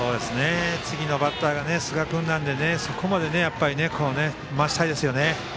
次のバッターが寿賀君なのでそこまで回したいですよね。